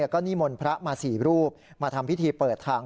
ก็นิมนต์พระมา๔รูปมาทำพิธีเปิดทาง